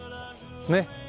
ねっ。